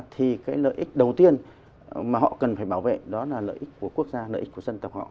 thì cái lợi ích đầu tiên mà họ cần phải bảo vệ đó là lợi ích của quốc gia lợi ích của dân tộc họ